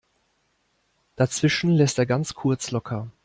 Dazwischen lässt er ganz kurz locker.